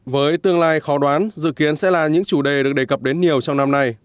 với tương lai khó đoán dự kiến sẽ là những chủ đề được đề cập đến nhiều trong năm nay